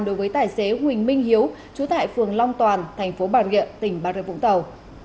đối với tài xế huỳnh minh hiếu trú tại phường long toàn thành phố bà rợi vũng tàu